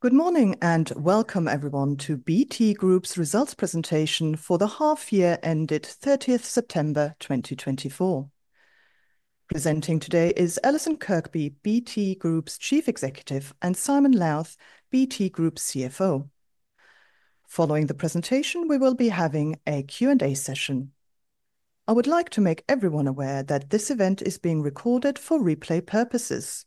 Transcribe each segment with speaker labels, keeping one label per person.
Speaker 1: Good morning and welcome, everyone, to BT Group's results presentation for the half-year ended 30 September 2024. Presenting today is Allison Kirkby, BT Group's Chief Executive, and Simon Lowth, BT Group's CFO. Following the presentation, we will be having a Q&A session. I would like to make everyone aware that this event is being recorded for replay purposes.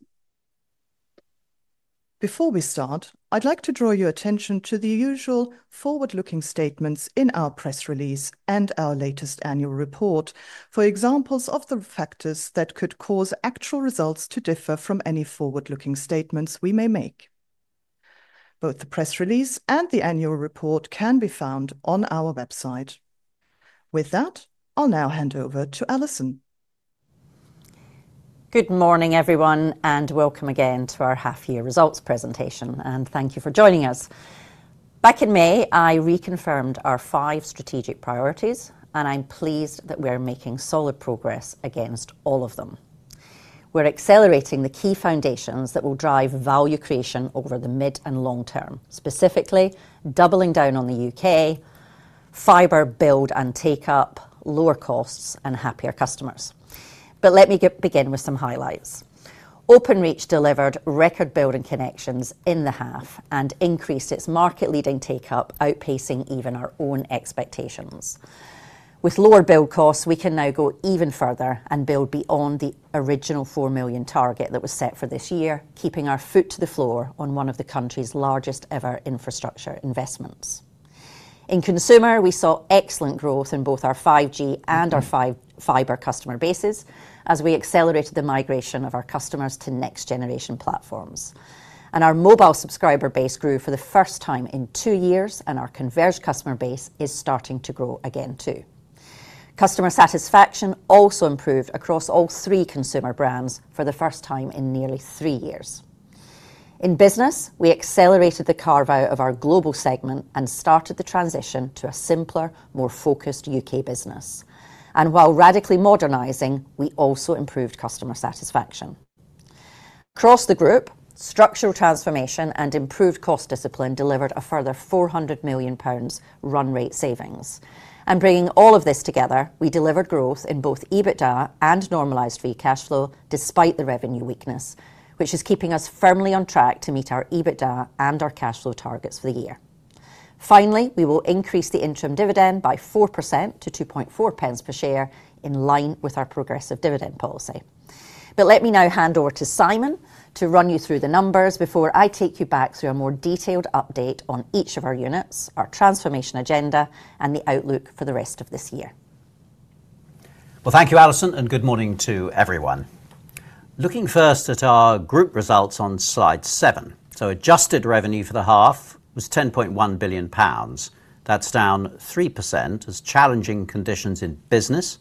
Speaker 1: Before we start, I'd like to draw your attention to the usual forward-looking statements in our press release and our latest annual report for examples of the factors that could cause actual results to differ from any forward-looking statements we may make. Both the press release and the annual report can be found on our website. With that, I'll now hand over to Allison.
Speaker 2: Good morning, everyone, and welcome again to our half-year results presentation, and thank you for joining us. Back in May, I reconfirmed our five strategic priorities, and I'm pleased that we're making solid progress against all of them. We're accelerating the key foundations that will drive value creation over the mid and long term, specifically doubling down on the U.K., fiber build and take-up, lower costs, and happier customers. But let me begin with some highlights. Openreach delivered record build and connections in the half and increased its market-leading take-up, outpacing even our own expectations. With lower build costs, we can now go even further and build beyond the original four million target that was set for this year, keeping our foot to the floor on one of the country's largest-ever infrastructure investments. In consumer, we saw excellent growth in both our 5G and our fiber customer bases as we accelerated the migration of our customers to next-generation platforms. And our mobile subscriber base grew for the first time in two years, and our converged customer base is starting to grow again too. Customer satisfaction also improved across all three consumer brands for the first time in nearly three years. In business, we accelerated the carve-out of our global segment and started the transition to a simpler, more focused U.K. business. And while radically modernizing, we also improved customer satisfaction. Across the group, structural transformation and improved cost discipline delivered a further 400 million pounds run rate savings. And bringing all of this together, we delivered growth in both EBITDA and normalized free cash flow despite the revenue weakness, which is keeping us firmly on track to meet our EBITDA and our cash flow targets for the year. Finally, we will increase the interim dividend by 4% to 2.4 per share in line with our progressive dividend policy. But let me now hand over to Simon to run you through the numbers before I take you back through a more detailed update on each of our units, our transformation agenda, and the outlook for the rest of this year.
Speaker 3: Thank you, Allison, and good morning to everyone. Looking first at our group results on slide seven, so adjusted revenue for the half was 10.1 billion pounds. That's down 3% as challenging conditions in business,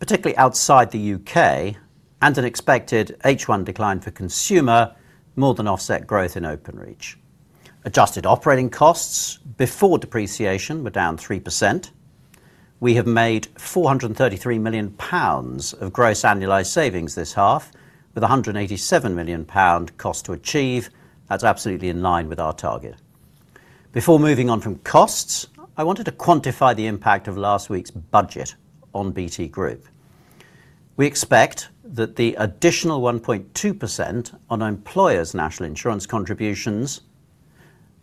Speaker 3: particularly outside the U.K., and an expected H1 decline for consumer more than offset growth in Openreach. Adjusted operating costs before depreciation were down 3%. We have made 433 million pounds of gross annualized savings this half, with 187 million pound cost to achieve. That's absolutely in line with our target. Before moving on from costs, I wanted to quantify the impact of last week's budget on BT Group. We expect that the additional 1.2% on employers' National Insurance contributions,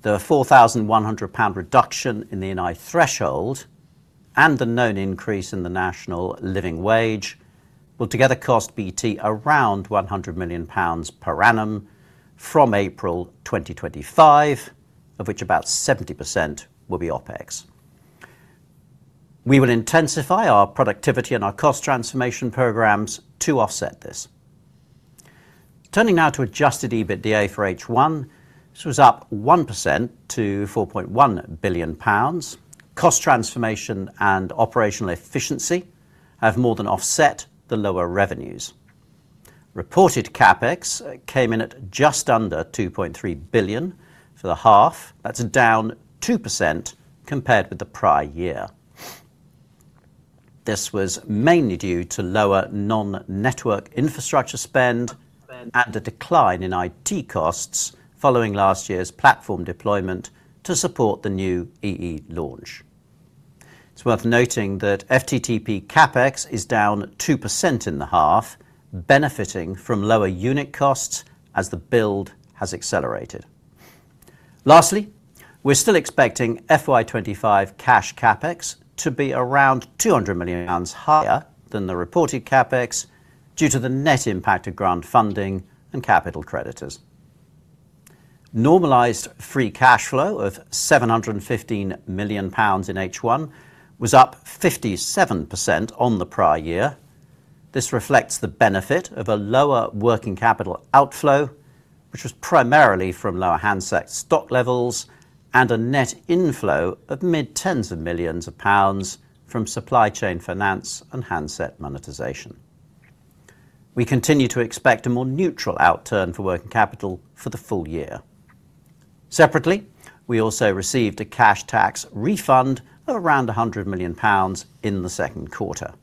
Speaker 3: the 4,100 pound reduction in the NI threshold, and the known increase in the National Living Wage will together cost BT around 100 million pounds per annum from April 2025, of which about 70% will be OpEx. We will intensify our productivity and our cost transformation programs to offset this. Turning now to adjusted EBITDA for H1, this was up 1% to 4.1 billion pounds. Cost transformation and operational efficiency have more than offset the lower revenues. Reported CAPEX came in at just under 2.3 billion for the half. That's down 2% compared with the prior year. This was mainly due to lower non-network infrastructure spend and a decline in IT costs following last year's platform deployment to support the new EE launch. It's worth noting that FTTP CAPEX is down 2% in the half, benefiting from lower unit costs as the build has accelerated. Lastly, we're still expecting FY25 cash CAPEX to be around 200 million pounds higher than the reported CAPEX due to the net impact of grant funding and capital creditors. Normalized free cash flow of 715 million pounds in H1 was up 57% on the prior year. This reflects the benefit of a lower working capital outflow, which was primarily from lower handset stock levels and a net inflow of mid-tens of millions of pounds from supply chain finance and handset monetization. We continue to expect a more neutral outturn for working capital for the full year. Separately, we also received a cash tax refund of around 100 million pounds in the second quarter,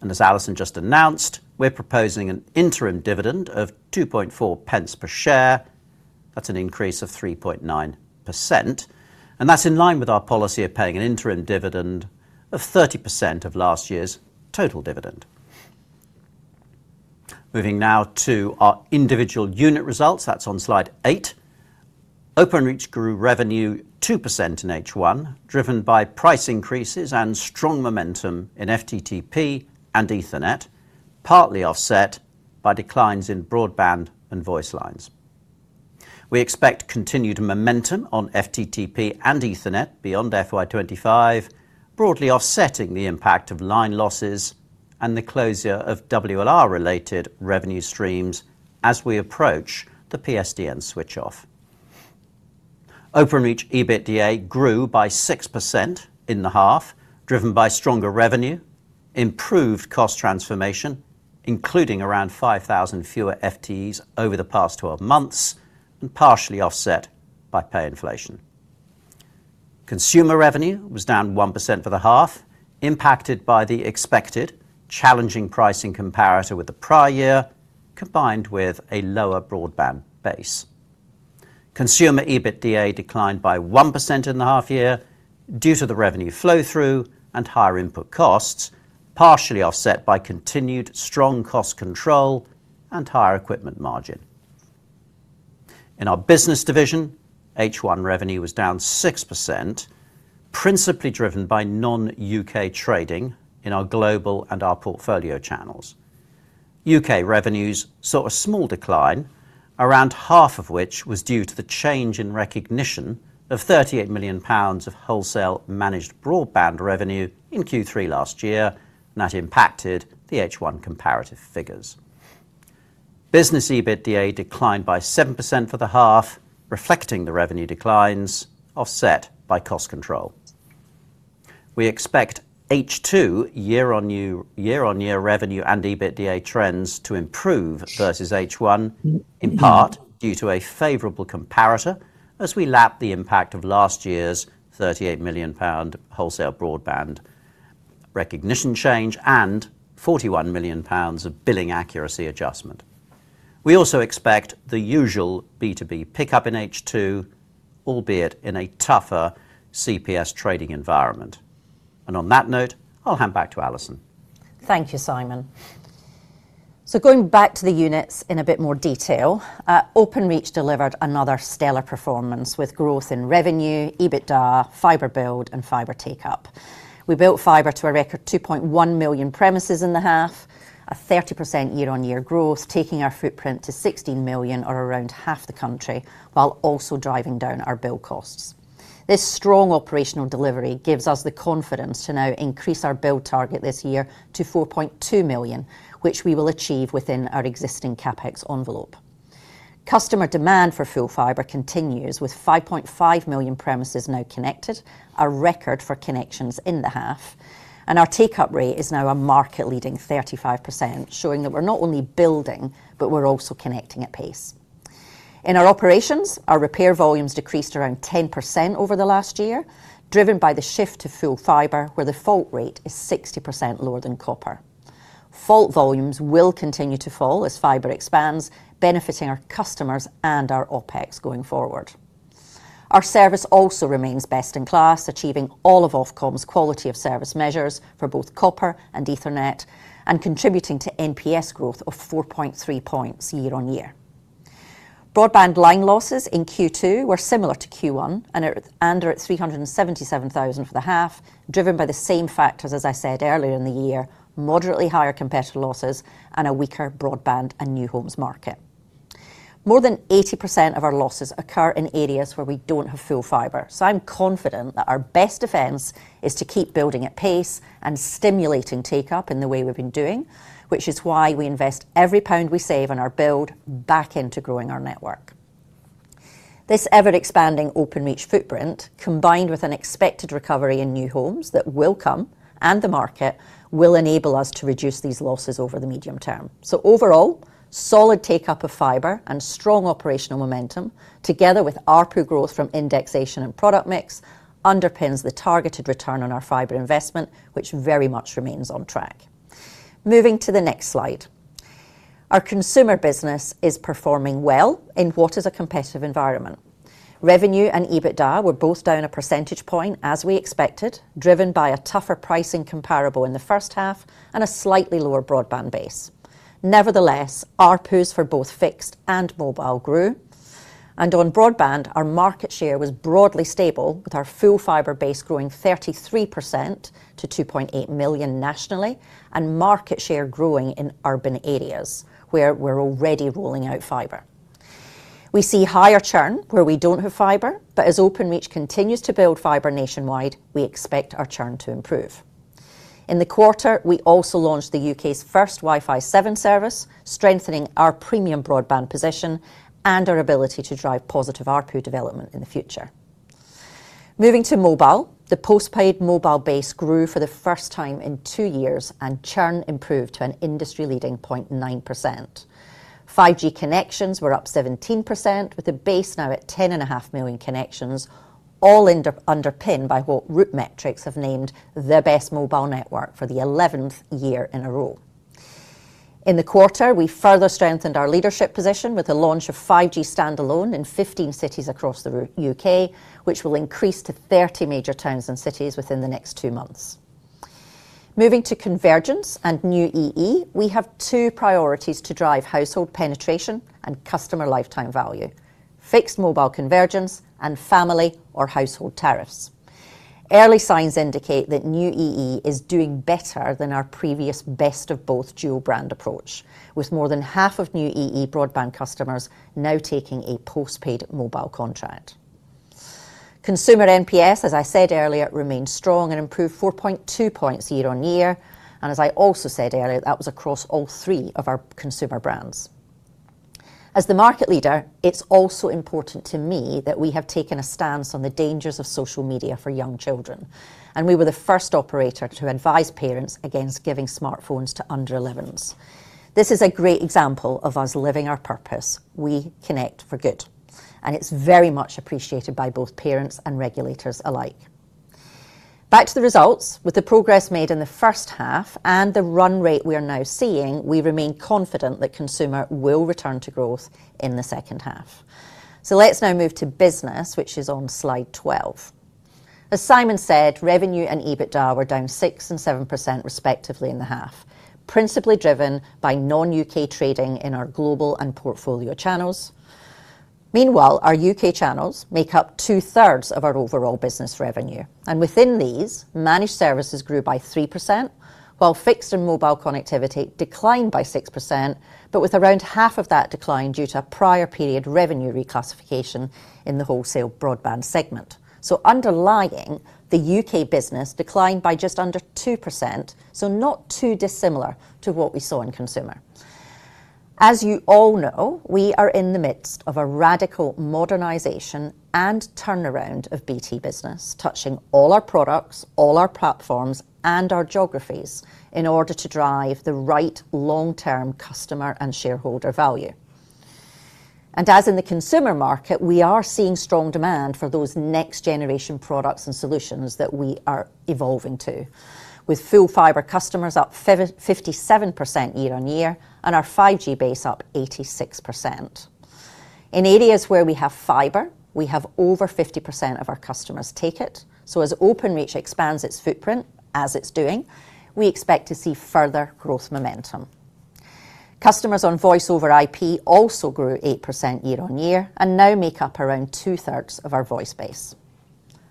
Speaker 3: and as Allison just announced, we're proposing an interim dividend of 2.4 per share. That's an increase of 3.9%, and that's in line with our policy of paying an interim dividend of 30% of last year's total dividend. Moving now to our individual unit results, that's on slide eight. Openreach grew revenue 2% in H1, driven by price increases and strong momentum in FTTP and Ethernet, partly offset by declines in broadband and voice lines. We expect continued momentum on FTTP and Ethernet beyond FY25, broadly offsetting the impact of line losses and the closure of WLR-related revenue streams as we approach the PSTN switch-off. Openreach EBITDA grew by 6% in the half, driven by stronger revenue, improved cost transformation, including around 5,000 fewer FTEs over the past 12 months, and partially offset by pay inflation. Consumer revenue was down 1% for the half, impacted by the expected challenging pricing comparator with the prior year, combined with a lower broadband base. Consumer EBITDA declined by 1% in the half year due to the revenue flow-through and higher input costs, partially offset by continued strong cost control and higher equipment margin. In our business division, H1 revenue was down 6%, principally driven by non-U.K. trading in our global and our portfolio channels. U.K. revenues saw a small decline, around half of which was due to the change in recognition of 38 million pounds of wholesale managed broadband revenue in Q3 last year, and that impacted the H1 comparative figures. Business EBITDA declined by 7% for the half, reflecting the revenue declines offset by cost control. We expect H2 year-on-year revenue and EBITDA trends to improve versus H1, in part due to a favorable comparator as we lap the impact of last year's 38 million pound wholesale broadband recognition change and 41 million pounds of billing accuracy adjustment. We also expect the usual B2B pickup in H2, albeit in a tougher CPI trading environment. And on that note, I'll hand back to Allison.
Speaker 2: Thank you, Simon. So going back to the units in a bit more detail, Openreach delivered another stellar performance with growth in revenue, EBITDA, fiber build, and fiber take-up. We built fiber to a record 2.1 million premises in the half, a 30% year-on-year growth, taking our footprint to 16 million, or around half the country, while also driving down our build costs. This strong operational delivery gives us the confidence to now increase our build target this year to 4.2 million, which we will achieve within our existing CapEx envelope. Customer demand for full fiber continues with 5.5 million premises now connected, a record for connections in the half, and our take-up rate is now a market-leading 35%, showing that we're not only building, but we're also connecting at pace. In our operations, our repair volumes decreased around 10% over the last year, driven by the shift to full fiber, where the fault rate is 60% lower than copper. Fault volumes will continue to fall as fiber expands, benefiting our customers and our OpEx going forward. Our service also remains best in class, achieving all of Ofcom's quality of service measures for both copper and Ethernet, and contributing to NPS growth of 4.3 points year-on-year. Broadband line losses in Q2 were similar to Q1 and are at 377,000 for the half, driven by the same factors, as I said earlier in the year, moderately higher competitor losses, and a weaker broadband and new homes market. More than 80% of our losses occur in areas where we don't have full fiber, so I'm confident that our best defense is to keep building at pace and stimulating take-up in the way we've been doing, which is why we invest every pound we save on our build back into growing our network. This ever-expanding Openreach footprint, combined with an expected recovery in new homes that will come and the market, will enable us to reduce these losses over the medium term. So overall, solid take-up of fiber and strong operational momentum, together with ARPU growth from indexation and product mix, underpins the targeted return on our fiber investment, which very much remains on track. Moving to the next slide. Our consumer business is performing well in what is a competitive environment. Revenue and EBITDA were both down a percentage point, as we expected, driven by a tougher pricing comparable in the first half and a slightly lower broadband base. Nevertheless, ARPUs for both fixed and mobile grew, and on broadband, our market share was broadly stable, with our full fiber base growing 33% to 2.8 million nationally and market share growing in urban areas where we're already rolling out fiber. We see higher churn where we don't have fiber, but as Openreach continues to build fiber nationwide, we expect our churn to improve. In the quarter, we also launched the U.K.'s first Wi-Fi 7 service, strengthening our premium broadband position and our ability to drive positive ARPU development in the future. Moving to mobile, the post-paid mobile base grew for the first time in two years and churn improved to an industry-leading 0.9%. 5G connections were up 17%, with the base now at 10.5 million connections, all underpinned by what RootMetrics have named their best mobile network for the 11th year in a row. In the quarter, we further strengthened our leadership position with the launch of 5G standalone in 15 cities across the U.K., which will increase to 30 major towns and cities within the next two months. Moving to convergence and New EE, we have two priorities to drive household penetration and customer lifetime value: fixed mobile convergence and family or household tariffs. Early signs indicate that New EE is doing better than our previous best-of-both dual-brand approach, with more than half of New EE broadband customers now taking a post-paid mobile contract. Consumer NPS, as I said earlier, remained strong and improved 4.2 points year-on-year, and as I also said earlier, that was across all three of our consumer brands. As the market leader, it's also important to me that we have taken a stance on the dangers of social media for young children, and we were the first operator to advise parents against giving smartphones to under 11s. This is a great example of us living our purpose: we connect for good, and it's very much appreciated by both parents and regulators alike. Back to the results, with the progress made in the first half and the run rate we are now seeing, we remain confident that consumer will return to growth in the second half. So let's now move to business, which is on slide 12. As Simon said, revenue and EBITDA were down 6% and 7% respectively in the half, principally driven by non-U.K. trading in our global and portfolio channels. Meanwhile, our U.K. channels make up 2/3 of our overall business revenue, and within these, managed services grew by 3%, while fixed and mobile connectivity declined by 6%, but with around half of that decline due to a prior period revenue reclassification in the wholesale broadband segment. So underlying, the U.K. business declined by just under 2%, so not too dissimilar to what we saw in consumer. As you all know, we are in the midst of a radical modernization and turnaround of BT Business, touching all our products, all our platforms, and our geographies in order to drive the right long-term customer and shareholder value. As in the consumer market, we are seeing strong demand for those next-generation products and solutions that we are evolving to, with full fiber customers up 57% year-on-year and our 5G base up 86%. In areas where we have fiber, we have over 50% of our customers take it, so as Openreach expands its footprint, as it's doing, we expect to see further growth momentum. Customers on Voice over IP also grew 8% year-on-year and now make up around two-thirds of our voice base.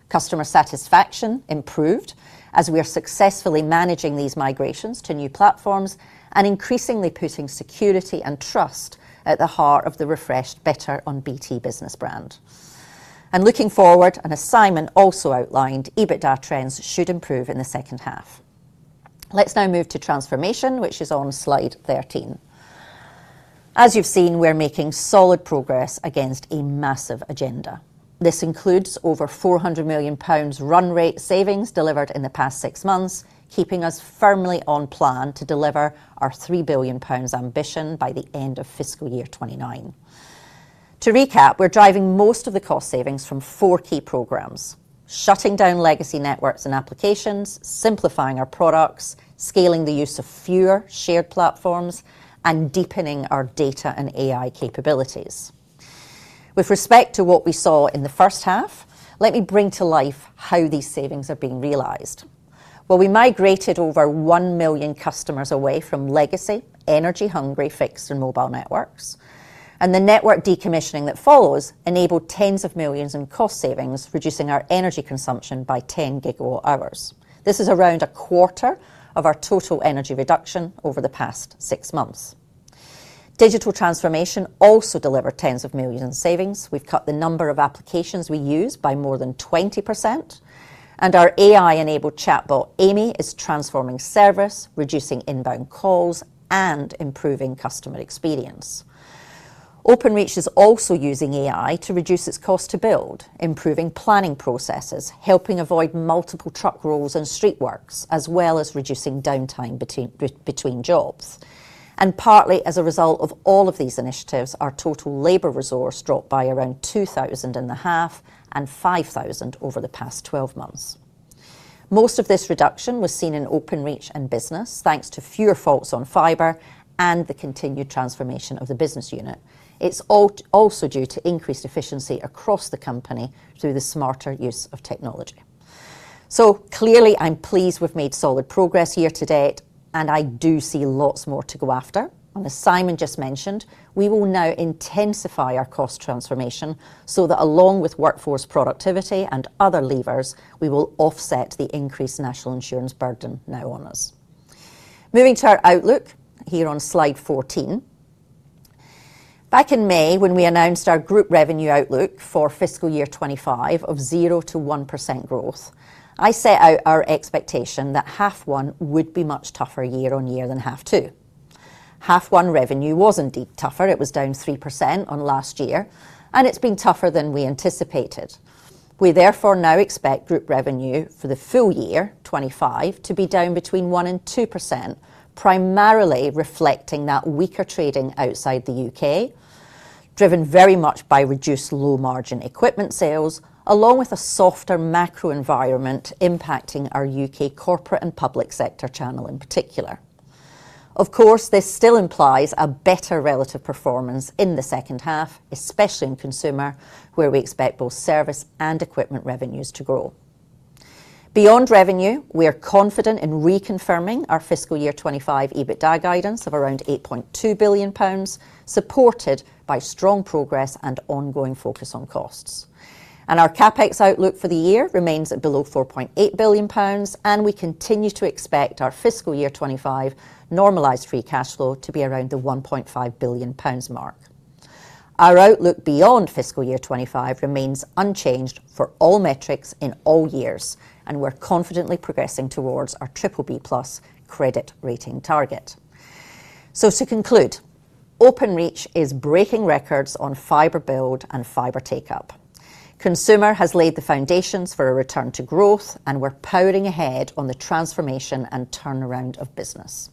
Speaker 2: Customer satisfaction improved as we are successfully managing these migrations to new platforms and increasingly putting security and trust at the heart of the refreshed, better on BT Business brand. Looking forward, and as Simon also outlined, EBITDA trends should improve in the second half. Let's now move to transformation, which is on slide 13. As you've seen, we're making solid progress against a massive agenda. This includes over 400 million pounds run rate savings delivered in the past six months, keeping us firmly on plan to deliver our 3 billion pounds ambition by the end of fiscal year 2029. To recap, we're driving most of the cost savings from four key programs: shutting down legacy networks and applications, simplifying our products, scaling the use of fewer shared platforms, and deepening our data and AI capabilities. With respect to what we saw in the first half, let me bring to life how these savings are being realized. Well, we migrated over one million customers away from legacy, energy-hungry fixed and mobile networks, and the network decommissioning that follows enabled tens of millions in cost savings, reducing our energy consumption by 10 GWh. This is around a quarter of our total energy reduction over the past six months. Digital transformation also delivered tens of millions in savings. We've cut the number of applications we use by more than 20%, and our AI-enabled chatbot, Aimee, is transforming service, reducing inbound calls, and improving customer experience. Openreach is also using AI to reduce its cost to build, improving planning processes, helping avoid multiple truck rolls and streetworks, as well as reducing downtime between jobs, and partly as a result of all of these initiatives, our total labor resource dropped by around 2,500 and 5,000 over the past 12 months. Most of this reduction was seen in Openreach and Business, thanks to fewer faults on fiber and the continued transformation of the business unit. It's also due to increased efficiency across the company through the smarter use of technology, so clearly, I'm pleased we've made solid progress here today, and I do see lots more to go after. And as Simon just mentioned, we will now intensify our cost transformation so that along with workforce productivity and other levers, we will offset the increased National Insurance burden now on us. Moving to our outlook here on slide 14. Back in May, when we announced our group revenue outlook for fiscal year 2025 of 0%-1% growth, I set out our expectation that half one would be much tougher year-on-year than half two. Half one revenue was indeed tougher. It was down 3% on last year, and it's been tougher than we anticipated. We therefore now expect group revenue for the full year, 2025, to be down between 1% and 2%, primarily reflecting that weaker trading outside the U.K., driven very much by reduced low-margin equipment sales, along with a softer macro environment impacting our U.K. corporate and public sector channel in particular. Of course, this still implies a better relative performance in the second half, especially in consumer, where we expect both service and equipment revenues to grow. Beyond revenue, we are confident in reconfirming our fiscal year 2025 EBITDA guidance of around 8.2 billion pounds, supported by strong progress and ongoing focus on costs. And our CAPEX outlook for the year remains at below 4.8 billion pounds, and we continue to expect our fiscal year 2025 normalized free cash flow to be around the 1.5 billion pounds mark. Our outlook beyond fiscal year 2025 remains unchanged for all metrics in all years, and we're confidently progressing towards our BBB+ credit rating target. So to conclude, Openreach is breaking records on fiber build and fiber take-up. Consumer has laid the foundations for a return to growth, and we're powering ahead on the transformation and turnaround of business.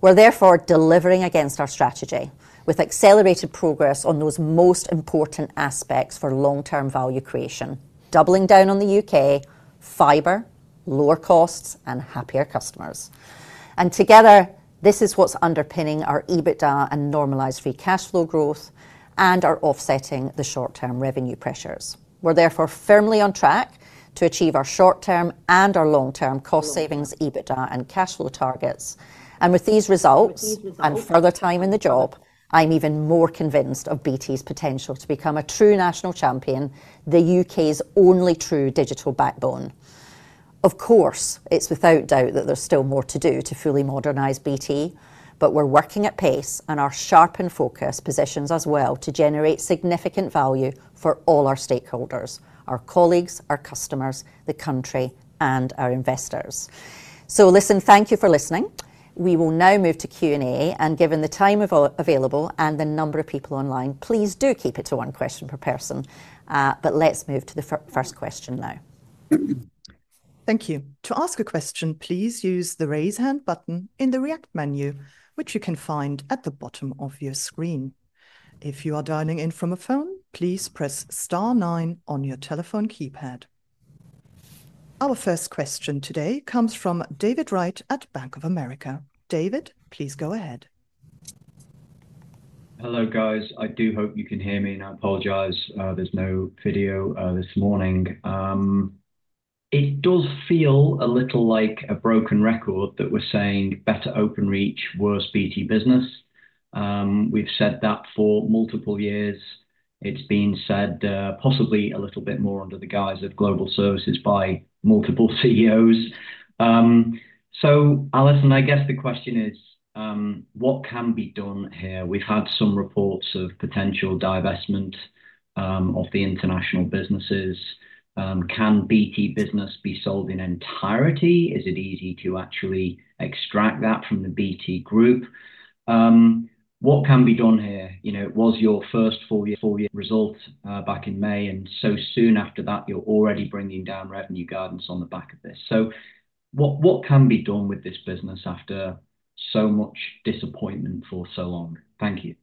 Speaker 2: We're therefore delivering against our strategy with accelerated progress on those most important aspects for long-term value creation, doubling down on the U.K., fiber, lower costs, and happier customers. And together, this is what's underpinning our EBITDA and normalized free cash flow growth and are offsetting the short-term revenue pressures. We're therefore firmly on track to achieve our short-term and our long-term cost savings, EBITDA and cash flow targets. And with these results and further time in the job, I'm even more convinced of BT's potential to become a true national champion, the U.K.'s only true digital backbone. Of course, it's without doubt that there's still more to do to fully modernize BT, but we're working at pace and our sharpened focus positions as well to generate significant value for all our stakeholders, our colleagues, our customers, the country, and our investors. So listen, thank you for listening. We will now move to Q&A, and given the time available and the number of people online, please do keep it to one question per person, but let's move to the first question now.
Speaker 1: Thank you. To ask a question, please use the raise hand button in the react menu, which you can find at the bottom of your screen. If you are dialing in from a phone, please press star nine on your telephone keypad. Our first question today comes from David Wright at Bank of America. David, please go ahead.
Speaker 4: Hello guys, I do hope you can hear me. And I apologize, there's no video this morning. It does feel a little like a broken record that we're saying better Openreach, worse BT Business. We've said that for multiple years. It's been said possibly a little bit more under the guise of global services by multiple CEOs. Allison, I guess the question is, what can be done here? We've had some reports of potential divestment of the international businesses. Can BT Business be sold in entirety? Is it easy to actually extract that from the BT Group? What can be done here? It was your first full year result back in May, and so soon after that, you're already bringing down revenue guidance on the back of this. So what can be done with this business after so much disappointment for so long? Thank you.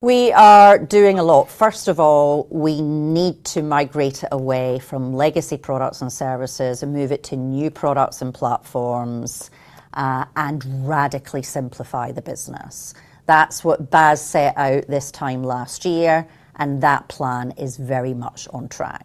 Speaker 2: We are doing a lot. First of all, we need to migrate away from legacy products and services and move it to new products and platforms and radically simplify the business. That's what Bas set out this time last year, and that plan is very much on track.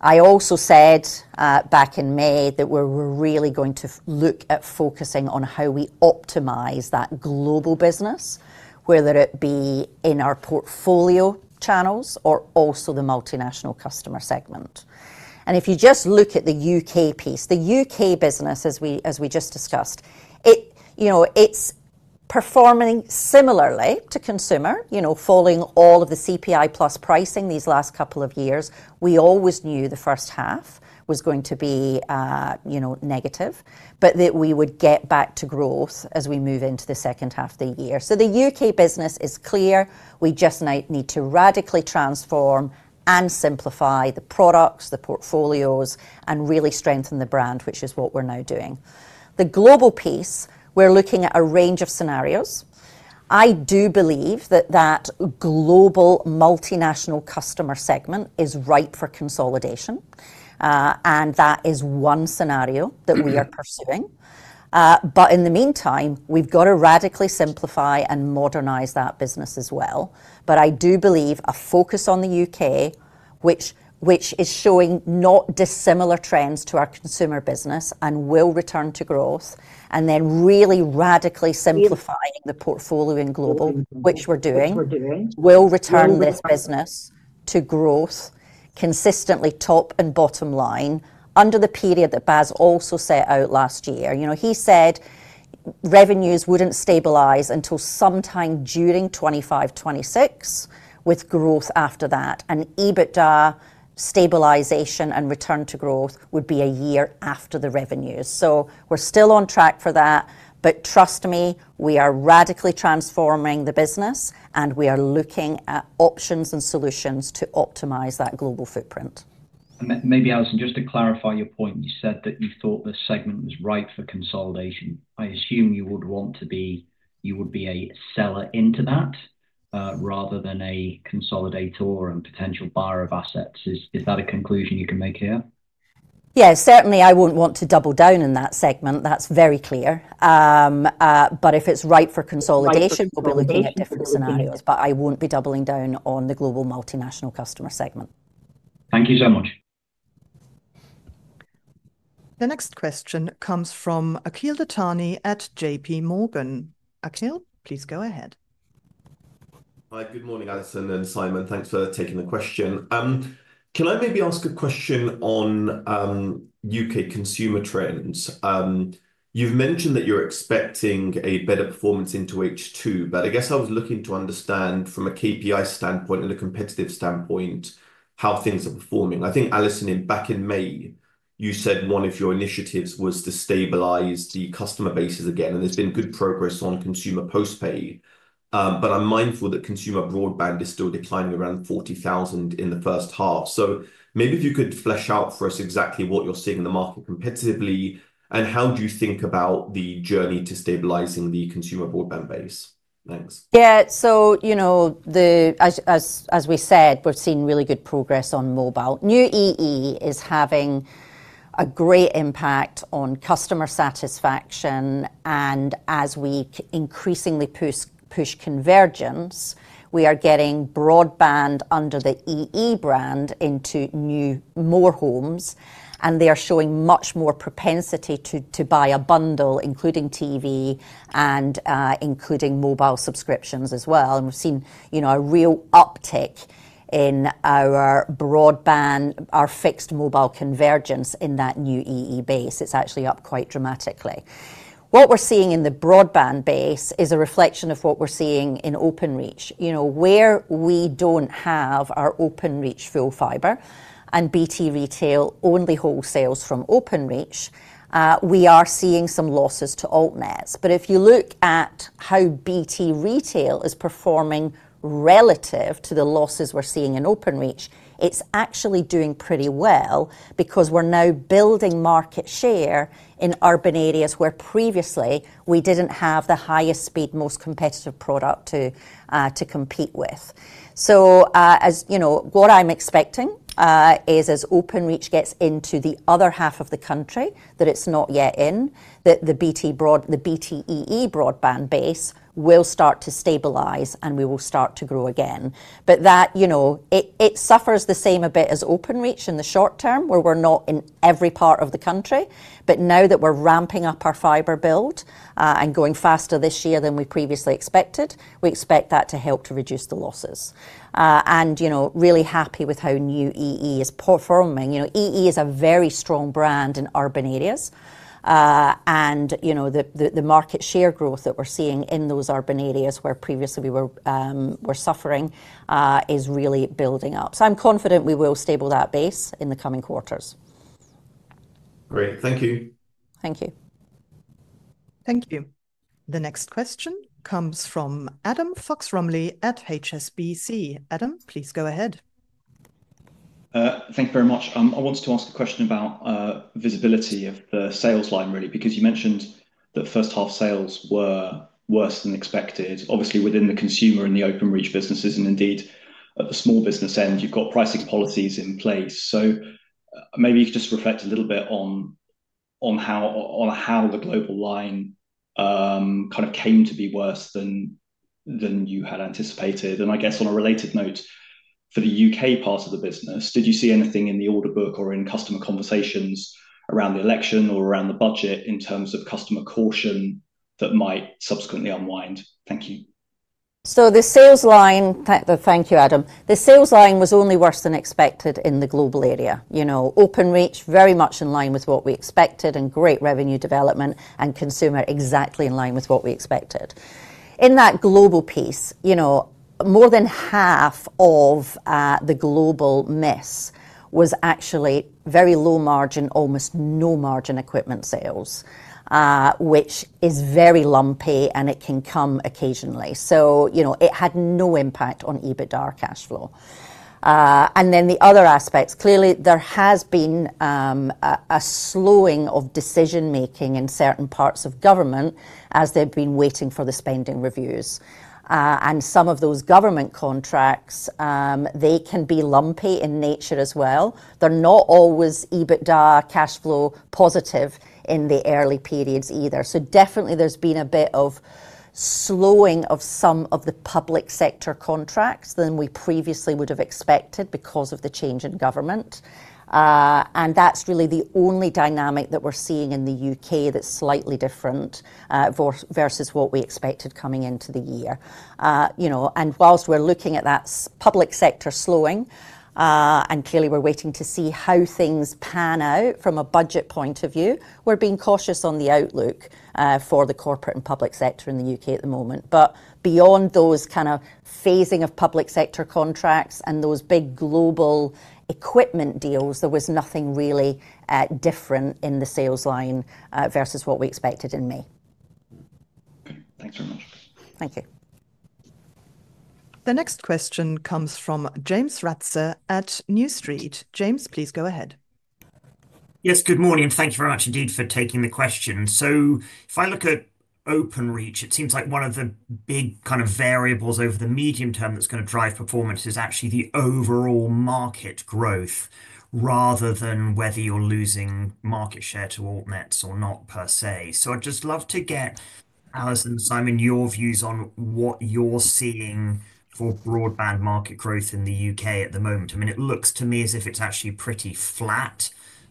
Speaker 2: I also said back in May that we're really going to look at focusing on how we optimize that global business, whether it be in our portfolio channels or also the multinational customer segment. And if you just look at the U.K. piece, the U.K. business, as we just discussed, it's performing similarly to consumer, following all of the CPI plus pricing these last couple of years. We always knew the first half was going to be negative, but that we would get back to growth as we move into the second half of the year. So the U.K. business is clear. We just need to radically transform and simplify the products, the portfolios, and really strengthen the brand, which is what we're now doing. The global piece, we're looking at a range of scenarios. I do believe that that global multinational customer segment is ripe for consolidation, and that is one scenario that we are pursuing, but in the meantime, we've got to radically simplify and modernize that business as well. I do believe a focus on the U.K., which is showing not dissimilar trends to our consumer business and will return to growth, and then really radically simplifying the portfolio in global, which we're doing, will return this business to growth consistently top and bottom line over the period that Baz also set out last year. He said revenues wouldn't stabilize until sometime during 2025, 2026 with growth after that, and EBITDA stabilization and return to growth would be a year after the revenues. We're still on track for that, but trust me, we are radically transforming the business and we are looking at options and solutions to optimize that global footprint.
Speaker 4: Maybe Allison, just to clarify your point, you said that you thought the segment was ripe for consolidation. I assume you would want to be a seller into that rather than a consolidator or a potential buyer of assets. Is that a conclusion you can make here?
Speaker 2: Yes, certainly I wouldn't want to double down in that segment. That's very clear. But if it's ripe for consolidation, we'll be looking at different scenarios, but I won't be doubling down on the global multinational customer segment.
Speaker 4: Thank you so much.
Speaker 1: The next question comes from Akhil Dattani at JP Morgan. Akhil, please go ahead.
Speaker 5: Hi, good morning Allison and Simon. Thanks for taking the question. Can I maybe ask a question on U.K. consumer trends? You've mentioned that you're expecting a better performance into H2, but I guess I was looking to understand from a KPI standpoint and a competitive standpoint how things are performing. I think Allison, back in May, you said one of your initiatives was to stabilize the customer bases again, and there's been good progress on consumer post-pay. But I'm mindful that consumer broadband is still declining around 40,000 in the first half. So maybe if you could flesh out for us exactly what you're seeing in the market competitively and how do you think about the journey to stabilizing the consumer broadband base? Thanks.
Speaker 2: Yeah, so as we said, we've seen really good progress on mobile. New EE is having a great impact on customer satisfaction, and as we increasingly push convergence, we are getting broadband under the EE brand into new more homes, and they are showing much more propensity to buy a bundle, including TV and including mobile subscriptions as well, and we've seen a real uptick in our broadband, our fixed mobile convergence in that new EE base. It's actually up quite dramatically. What we're seeing in the broadband base is a reflection of what we're seeing in Openreach. Where we don't have our Openreach full fiber and BT Retail only wholesales from Openreach, we are seeing some losses to AltNets. But if you look at how BT Retail is performing relative to the losses we're seeing in Openreach, it's actually doing pretty well because we're now building market share in urban areas where previously we didn't have the highest speed, most competitive product to compete with. So what I'm expecting is as Openreach gets into the other half of the country that it's not yet in, that the BT EE broadband base will start to stabilize and we will start to grow again. But it suffers the same a bit as Openreach in the short term where we're not in every part of the country, but now that we're ramping up our fiber build and going faster this year than we previously expected, we expect that to help to reduce the losses. And really happy with how New EE is performing. EE is a very strong brand in urban areas, and the market share growth that we're seeing in those urban areas where previously we were suffering is really building up. So I'm confident we will stabilize that base in the coming quarters.
Speaker 5: Great, thank you.
Speaker 2: Thank you.
Speaker 1: Thank you. The next question comes from Adam Fox-Rumley at HSBC. Adam, please go ahead.
Speaker 6: Thank you very much. I wanted to ask a question about visibility of the sales line, really, because you mentioned that first half sales were worse than expected, obviously within the consumer and the Openreach businesses, and indeed at the small business end, you've got pricing policies in place. So maybe you could just reflect a little bit on how the overall line kind of came to be worse than you had anticipated. I guess on a related note, for the U.K. part of the business, did you see anything in the order book or in customer conversations around the election or around the budget in terms of customer caution that might subsequently unwind? Thank you.
Speaker 2: The sales line, thank you, Adam, the sales line was only worse than expected in the global area. Openreach, very much in line with what we expected and great revenue development and consumer exactly in line with what we expected. In that global piece, more than half of the global miss was actually very low margin, almost no margin equipment sales, which is very lumpy and it can come occasionally. It had no impact on EBITDA or cash flow. And then the other aspects, clearly there has been a slowing of decision making in certain parts of government as they've been waiting for the spending reviews. And some of those government contracts, they can be lumpy in nature as well. They're not always EBITDA cash flow positive in the early periods either. So definitely there's been a bit of slowing of some of the public sector contracts than we previously would have expected because of the change in government. And that's really the only dynamic that we're seeing in the U.K. that's slightly different versus what we expected coming into the year. And whilst we're looking at that public sector slowing, and clearly we're waiting to see how things pan out from a budget point of view, we're being cautious on the outlook for the corporate and public sector in the U.K. at the moment. But beyond those kind of phasing of public sector contracts and those big global equipment deals, there was nothing really different in the sales line versus what we expected in May.
Speaker 6: Thanks very much.
Speaker 2: Thank you.
Speaker 1: The next question comes from James Ratzer at New Street. James, please go ahead.
Speaker 7: Yes, good morning. Thank you very much indeed for taking the question. So if I look at Openreach, it seems like one of the big kind of variables over the medium term that's going to drive performance is actually the overall market growth rather than whether you're losing market share to AltNets or not per se. So I'd just love to get Allison and Simon, your views on what you're seeing for broadband market growth in the U.K. at the moment. I mean, it looks to me as if it's actually pretty flat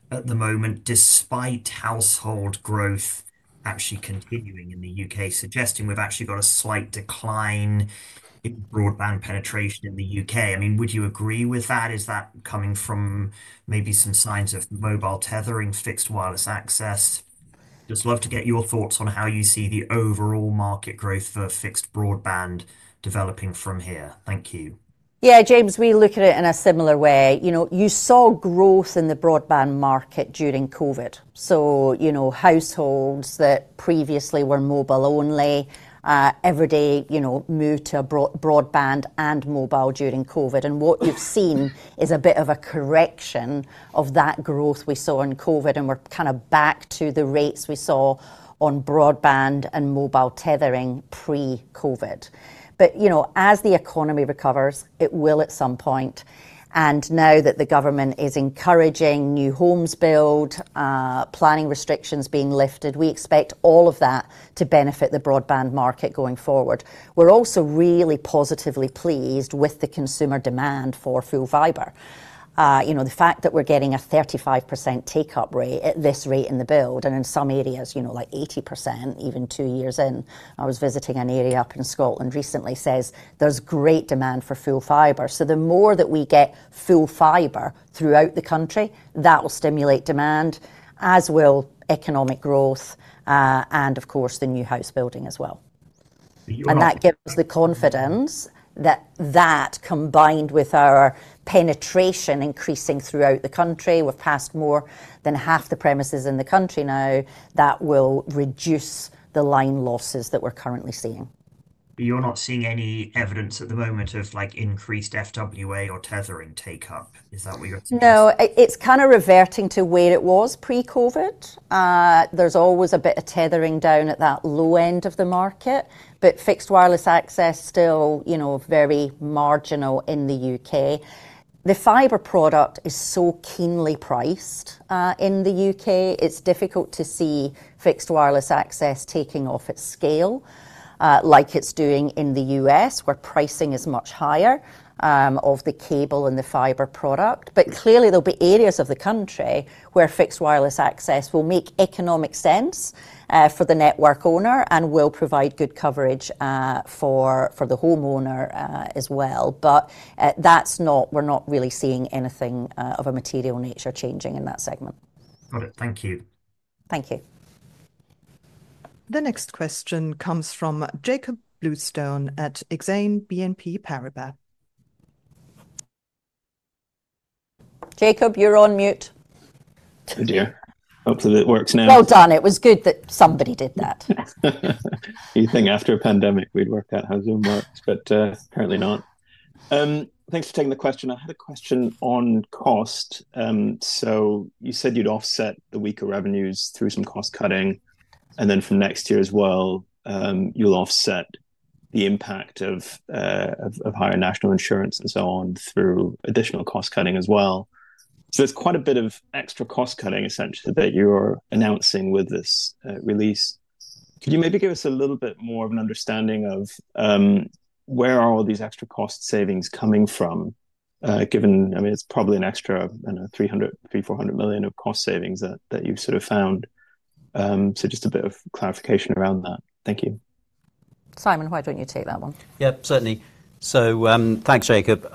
Speaker 7: at the moment despite household growth actually continuing in the U.K., suggesting we've actually got a slight decline in broadband penetration in the U.K. I mean, would you agree with that? Is that coming from maybe some signs of mobile tethering, fixed wireless access? Just love to get your thoughts on how you see the overall market growth for fixed broadband developing from here. Thank you.
Speaker 2: Yeah, James, we look at it in a similar way. You saw growth in the broadband market during COVID. So households that previously were mobile only every day moved to broadband and mobile during COVID. And what you've seen is a bit of a correction of that growth we saw in COVID, and we're kind of back to the rates we saw on broadband and mobile tethering pre-COVID. But as the economy recovers, it will at some point. Now that the government is encouraging new homes build, planning restrictions being lifted, we expect all of that to benefit the broadband market going forward. We're also really positively pleased with the consumer demand for full fiber. The fact that we're getting a 35% take-up rate at this rate in the build, and in some areas like 80%, even two years in. I was visiting an area up in Scotland recently says there's great demand for full fiber. So the more that we get full fiber throughout the country, that will stimulate demand as will economic growth and, of course, the new house building as well. And that gives us the confidence that, combined with our penetration increasing throughout the country, we've passed more than half the premises in the country now, that will reduce the line losses that we're currently seeing.
Speaker 7: But you're not seeing any evidence at the moment of increased FWA or tethering take-up. Is that what you're saying?
Speaker 2: No, it's kind of reverting to where it was pre-COVID. There's always a bit of tethering down at that low end of the market, but fixed wireless access still very marginal in the U.K. The fiber product is so keenly priced in the U.K., it's difficult to see fixed wireless access taking off at scale like it's doing in the U.S., where pricing is much higher of the cable and the fiber product. But clearly there'll be areas of the country where fixed wireless access will make economic sense for the network owner and will provide good coverage for the homeowner as well. But we're not really seeing anything of a material nature changing in that segment.
Speaker 7: Got it. Thank you.
Speaker 2: Thank you.
Speaker 1: The next question comes from Jakob Bluestone at Exane BNP Paribas. Jakob, you're on mute.
Speaker 8: I do. Hope that it works now.
Speaker 2: Well done. It was good that somebody did that.
Speaker 8: You think after a pandemic we'd work out how Zoom works, but apparently not. Thanks for taking the question. I had a question on cost. So you said you'd offset the weaker revenues through some cost cutting, and then for next year as well, you'll offset the impact of higher National Insurance and so on through additional cost cutting as well. So there's quite a bit of extra cost cutting essentially that you're announcing with this release. Could you maybe give us a little bit more of an understanding of where all these extra cost savings are coming from, given it's probably an extra 300-400 million of cost savings that you've sort of found? So just a bit of clarification around that. Thank you.
Speaker 2: Simon, why don't you take that one?
Speaker 3: Yep, certainly. So thanks, Jakob.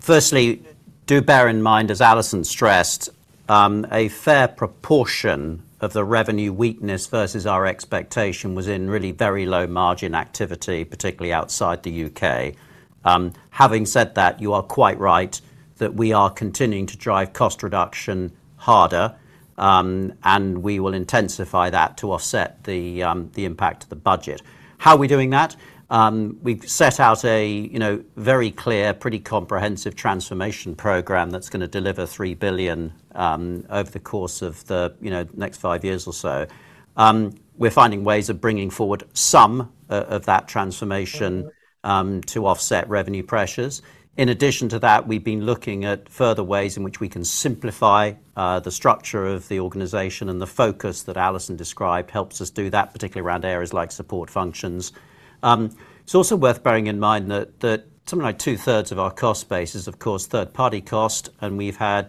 Speaker 3: Firstly, do bear in mind, as Allison stressed, a fair proportion of the revenue weakness versus our expectation was in really very low margin activity, particularly outside the U.K. Having said that, you are quite right that we are continuing to drive cost reduction harder, and we will intensify that to offset the impact of the budget. How are we doing that? We've set out a very clear, pretty comprehensive transformation program that's going to deliver 3 billion over the course of the next five years or so. We're finding ways of bringing forward some of that transformation to offset revenue pressures. In addition to that, we've been looking at further ways in which we can simplify the structure of the organization and the focus that Allison described helps us do that, particularly around areas like support functions. It's also worth bearing in mind that something like two-thirds of our cost base is, of course, third-party cost, and we've had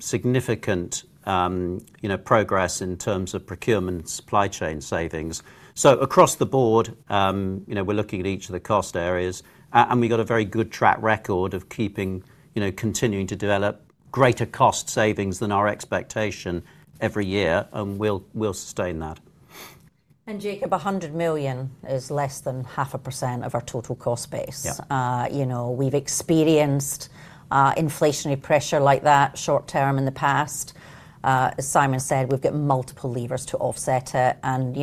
Speaker 3: significant progress in terms of procurement and supply chain savings. So across the board, we're looking at each of the cost areas, and we've got a very good track record of continuing to develop greater cost savings than our expectation every year, and we'll sustain that.
Speaker 2: Jakob, 100 million is less than 0.5% of our total cost base. We've experienced inflationary pressure like that short term in the past. As Simon said, we've got multiple levers to offset it. I'm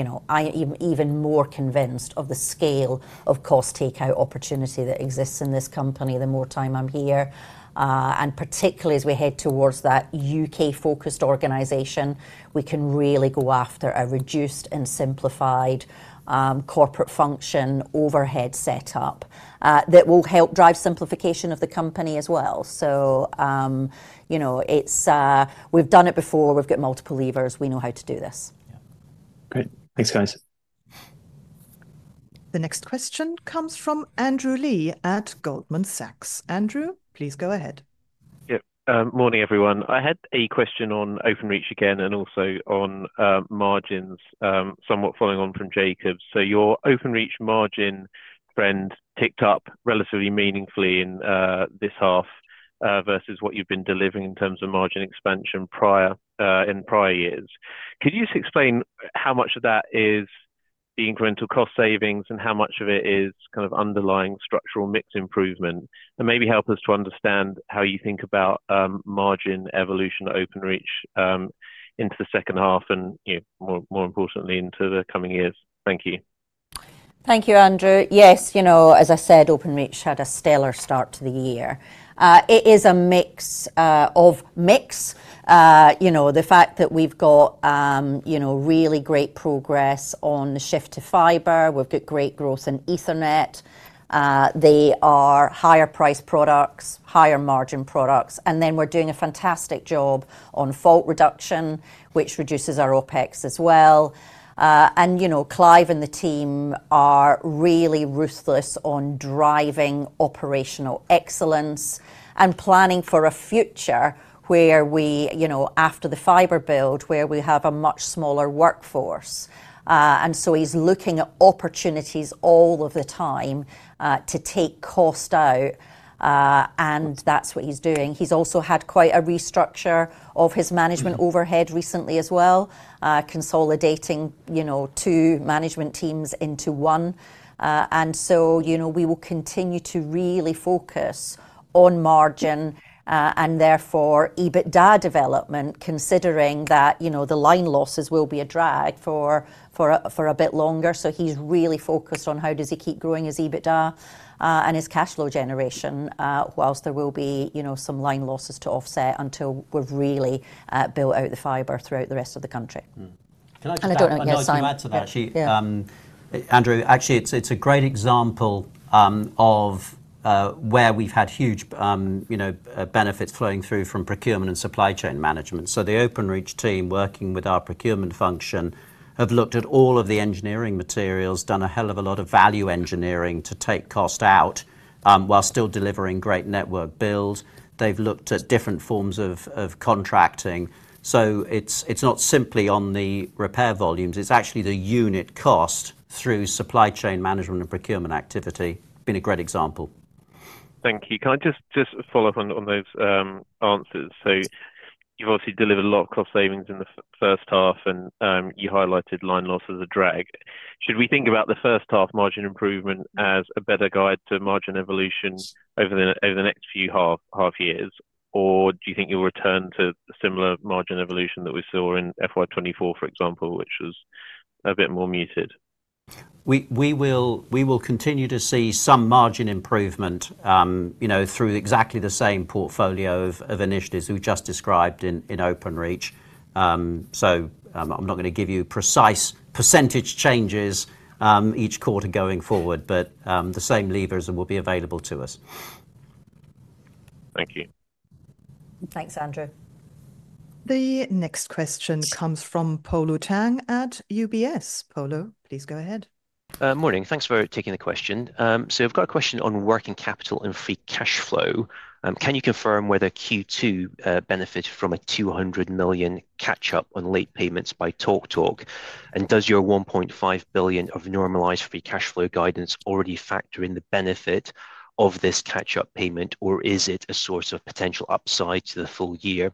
Speaker 2: even more convinced of the scale of cost take-out opportunity that exists in this company the more time I'm here. Particularly as we head towards that U.K.-focused organization, we can really go after a reduced and simplified corporate function overhead setup that will help drive simplification of the company as well. We've done it before. We've got multiple levers. We know how to do this.
Speaker 8: Great. Thanks, guys.
Speaker 1: The next question comes from Andrew Lee at Goldman Sachs. Andrew, please go ahead.
Speaker 9: Yep. Morning, everyone. I had a question on Openreach again and also on margins, somewhat following on from Jakob. So your Openreach margin trend ticked up relatively meaningfully in this half versus what you've been delivering in terms of margin expansion in prior years. Could you just explain how much of that is the incremental cost savings and how much of it is kind of underlying structural mix improvement? And maybe help us to understand how you think about margin evolution at Openreach into the second half and, more importantly, into the coming years. Thank you.
Speaker 2: Thank you, Andrew. Yes, as I said, Openreach had a stellar start to the year. It is a mix of mix. The fact that we've got really great progress on the shift to fiber, we've got great growth in Ethernet. They are higher-priced products, higher-margin products. And then we're doing a fantastic job on fault reduction, which reduces our OpEx as well. And Clive and the team are really ruthless on driving operational excellence and planning for a future where we, after the fiber build, where we have a much smaller workforce. And so he's looking at opportunities all of the time to take cost out, and that's what he's doing. He's also had quite a restructure of his management overhead recently as well, consolidating two management teams into one. And so we will continue to really focus on margin and therefore EBITDA development, considering that the line losses will be a drag for a bit longer. So he's really focused on how does he keep growing his EBITDA and his cash flow generation whilst there will be some line losses to offset until we've really built out the fiber throughout the rest of the country.
Speaker 3: Can I just add something? And I don't know what you're saying.
Speaker 2: Yes, Simon.
Speaker 3: Andrew, actually, it's a great example of where we've had huge benefits flowing through from procurement and supply chain management. So the Openreach team working with our procurement function have looked at all of the engineering materials, done a hell of a lot of value engineering to take cost out while still delivering great network builds. They've looked at different forms of contracting. So it's not simply on the repair volumes. It's actually the unit cost through supply chain management and procurement activity been a great example.
Speaker 9: Thank you. Can I just follow up on those answers? So you've obviously delivered a lot of cost savings in the first half, and you highlighted line loss as a drag. Should we think about the first half margin improvement as a better guide to margin evolution over the next few half years, or do you think you'll return to similar margin evolution that we saw in FY24, for example, which was a bit more muted?
Speaker 3: We will continue to see some margin improvement through exactly the same portfolio of initiatives we've just described in Openreach. So I'm not going to give you precise percentage changes each quarter going forward, but the same levers will be available to us.
Speaker 9: Thank you.
Speaker 2: Thanks, Andrew.
Speaker 1: The next question comes from Polo Tang at UBS. Polo, please go ahead.
Speaker 10: Morning. Thanks for taking the question. So I've got a question on working capital and free cash flow. Can you confirm whether Q2 benefited from a 200 million catch-up on late payments by TalkTalk? Does your 1.5 billion of normalized free cash flow guidance already factor in the benefit of this catch-up payment, or is it a source of potential upside to the full year?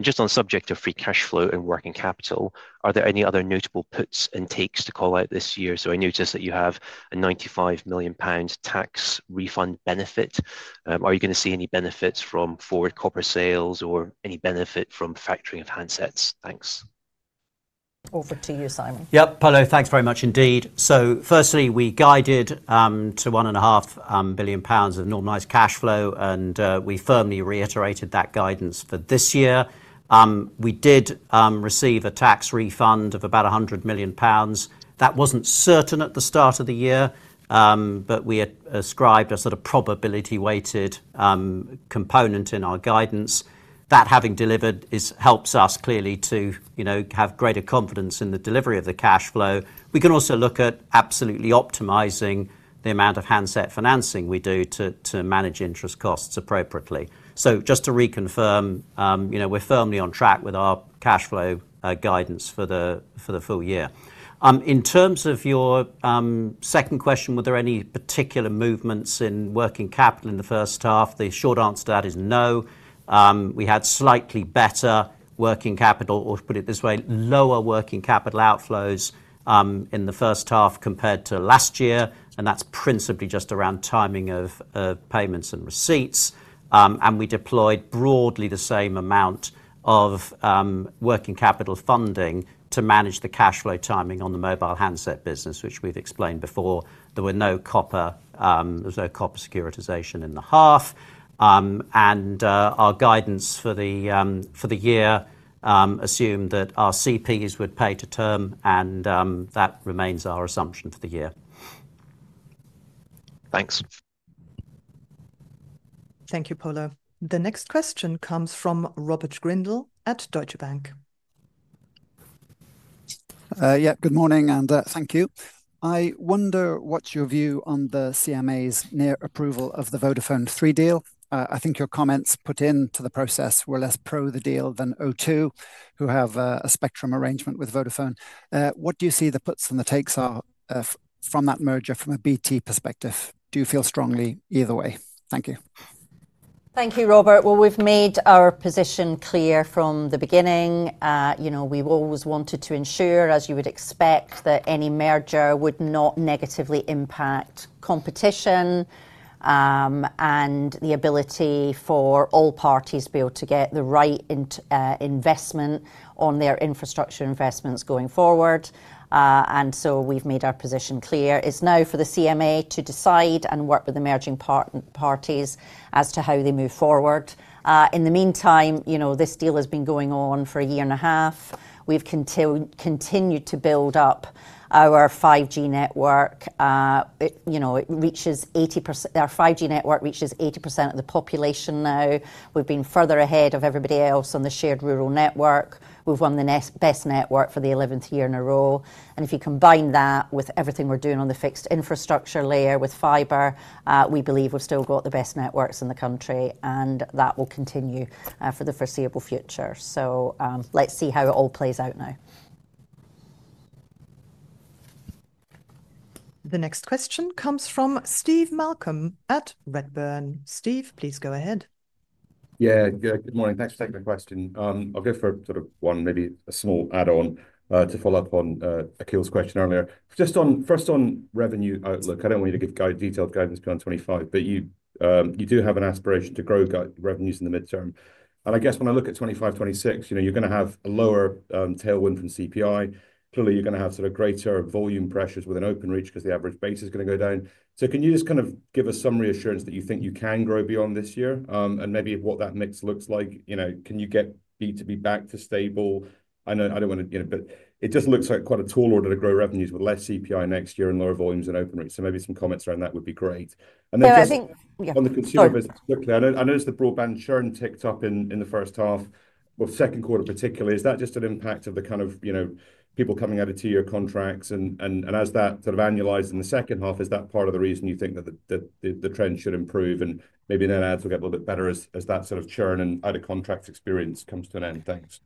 Speaker 10: Just on the subject of free cash flow and working capital, are there any other notable puts and takes to call out this year? I noticed that you have a 95 million pounds tax refund benefit. Are you going to see any benefits from copper sales or any benefit from factoring of handsets? Thanks.
Speaker 2: Over to you, Simon.
Speaker 3: Yep. Polo, thanks very much indeed. Firstly, we guided to 1.5 billion pounds of normalized cash flow, and we firmly reiterated that guidance for this year. We did receive a tax refund of about 100 million pounds. That wasn't certain at the start of the year, but we ascribed a sort of probability-weighted component in our guidance. That having delivered helps us clearly to have greater confidence in the delivery of the cash flow. We can also look at absolutely optimising the amount of handset financing we do to manage interest costs appropriately, so just to reconfirm, we're firmly on track with our cash flow guidance for the full year. In terms of your second question, were there any particular movements in working capital in the first half? The short answer to that is no. We had slightly better working capital, or put it this way, lower working capital outflows in the first half compared to last year, and that's principally just around timing of payments and receipts, and we deployed broadly the same amount of working capital funding to manage the cash flow timing on the mobile handset business, which we've explained before. There were no copper. There was no copper securitisation in the half. Our guidance for the year assumed that our CPs would pay to term, and that remains our assumption for the year.
Speaker 10: Thanks.
Speaker 1: Thank you, Polo. The next question comes from Robert Grindle at Deutsche Bank.
Speaker 11: Yep. Good morning, and thank you. I wonder what's your view on the CMA's near approval of the Vodafone Three deal? I think your comments put into the process were less pro the deal than O2, who have a spectrum arrangement with Vodafone. What do you see the puts and the takes are from that merger from a BT perspective? Do you feel strongly either way? Thank you.
Speaker 2: Thank you, Robert. We've made our position clear from the beginning. We've always wanted to ensure, as you would expect, that any merger would not negatively impact competition and the ability for all parties to be able to get the right investment on their infrastructure investments going forward. And so we've made our position clear. It's now for the CMA to decide and work with the merging parties as to how they move forward. In the meantime, this deal has been going on for a year and a half. We've continued to build up our 5G network. Our 5G network reaches 80% of the population now. We've been further ahead of everybody else on the Shared Rural Network. We've won the best network for the 11th year in a row. If you combine that with everything we're doing on the fixed infrastructure layer with fiber, we believe we've still got the best networks in the country, and that will continue for the foreseeable future. Let's see how it all plays out now.
Speaker 1: The next question comes from Steve Malcolm at Redburn. Steve, please go ahead.
Speaker 12: Yeah. Good morning. Thanks for taking the question. I'll go for sort of one, maybe a small add-on to follow up on Akhil's question earlier. Just first on revenue outlook, I don't want you to give detailed guidance beyond 2025, but you do have an aspiration to grow revenues in the midterm. I guess when I look at 2025, 2026, you're going to have a lower tailwind from CPI. Clearly, you're going to have sort of greater volume pressures within Openreach because the average base is going to go down. So can you just kind of give us some reassurance that you think you can grow beyond this year and maybe what that mix looks like? Can you get B2B back to stable? I don't want to, but it just looks like quite a tall order to grow revenues with less CPI next year and lower volumes in Openreach. So maybe some comments around that would be great. And then just on the consumer business quickly, I noticed the broadband churn ticked up in the first half, well, second quarter particularly. Is that just an impact of the kind of people coming out of two-year contracts? And as that sort of annualized in the second half, is that part of the reason you think that the trend should improve? Maybe then ads will get a little bit better as that sort of churn and out-of-contract experience comes to an end? Thanks.